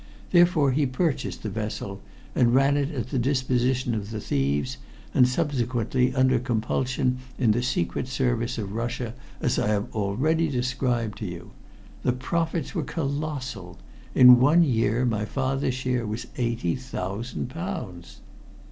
Therefore he purchased the vessel, and ran it at the disposition of the thieves, and subsequently under compulsion in the secret service of Russia, as I have already described to you. The profits were colossal. In one year my father's share was eighty thousand pounds."